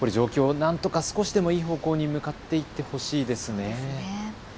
なんとか少しでもいい方向に向かっていってほしいですね。